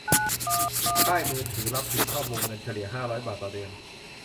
ค่ายมือถือรับผิดชอบวงเงินเฉลี่ยห้าร้อยบาทต่อเดือน